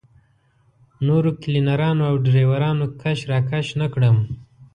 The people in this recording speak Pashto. نورو کلینرانو او ډریورانو کش راکش نه کړم.